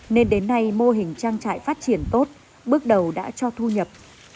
nên đến nay mô hình trang trại phát triển tốt bước đầu đã cho thu nhập